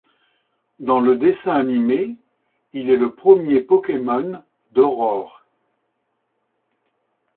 Dans le dessin animé, il est le premier Pokémon d'Aurore.